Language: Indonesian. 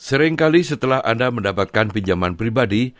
seringkali setelah anda mendapatkan pinjaman pribadi